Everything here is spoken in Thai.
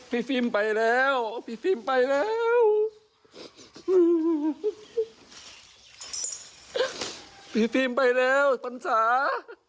พี่พิมไปแล้วปราณสาห์